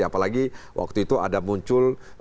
apalagi waktu itu ada muncul